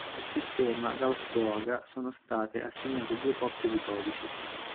Al sistema Gauss-Boaga sono state assegnate due coppie di codici.